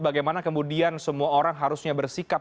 bagaimana kemudian semua orang harusnya bersikap